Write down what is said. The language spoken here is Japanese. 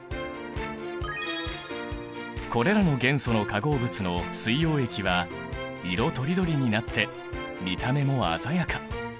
これらの元素の化合物の水溶液は色とりどりになって見た目も鮮やか。